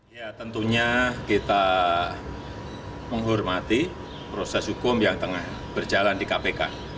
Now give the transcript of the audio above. ya tentunya kita menghormati proses hukum yang tengah berjalan di kpk